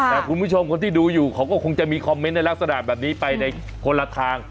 แต่คุณผู้ชมคนที่ดูอยู่เขาก็คงจะมีคอมเมนต์ในลักษณะแบบนี้ไปในคนละทาง